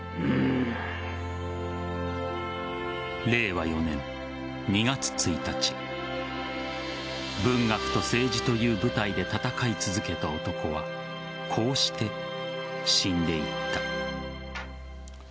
令和４年２月１日文学と政治という舞台で戦い続けた男はこうして死んでいった。